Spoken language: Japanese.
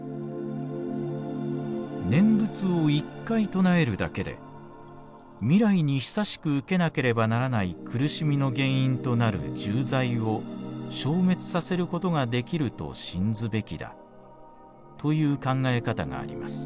「念仏を一回称えるだけで未来に久しく受けなければならない苦しみの原因となる重罪を消滅させることができると信ずべきだという考え方があります。